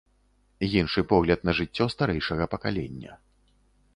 Іншы погляд на жыццё старэйшага пакалення.